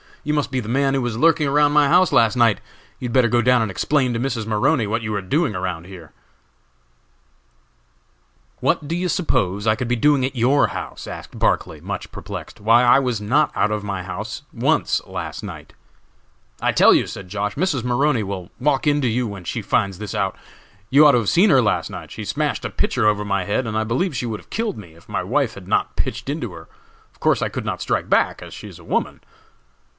You must be the man who was lurking around my house last night! You had better go down and explain to Mrs. Maroney what you were doing around there." [Illustration: Raising the dead animal by its caudal appendage, he angrily exclaimed, "That's my dog!" Page 226.] "What do you suppose I could be doing at your house?" asked Barclay, much perplexed. "Why, I was not out of my house once last night." "I tell you," said Josh., "Mrs. Maroney will walk into you when she finds this out. You ought to have seen her last night. She smashed a pitcher over my head, and I believe she would have killed me, if my wife had not pitched into her. Of course I could not strike back, as she is a woman."